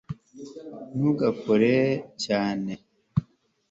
ntugakore cyane